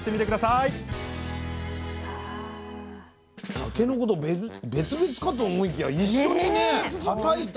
タケノコと別々かと思いきや一緒にねたたいて。